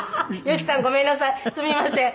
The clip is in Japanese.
吉さんごめんなさいすみません。